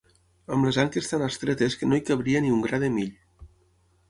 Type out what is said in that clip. Amb les anques tan estretes que no hi cabria ni un gra de mill.